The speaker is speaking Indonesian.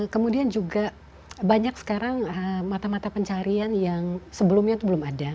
kemudian juga banyak sekarang mata mata pencarian yang sebelumnya itu belum ada